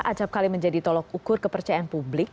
acapkali menjadi tolok ukur kepercayaan publik